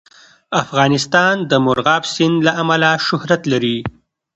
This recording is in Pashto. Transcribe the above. افغانستان د مورغاب سیند له امله شهرت لري.